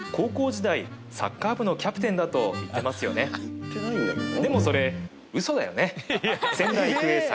言ってないんだけどな。